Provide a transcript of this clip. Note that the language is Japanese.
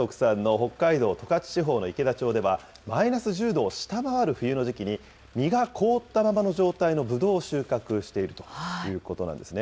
北海道十勝地方の池田町では、マイナス１０度を下回る冬の時期に、実が凍ったままの状態のぶどうを収穫しているということなんですね。